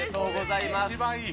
一番いい。